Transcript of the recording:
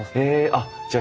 あっじゃあ